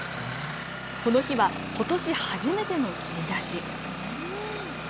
この日は、ことし初めての切り出し。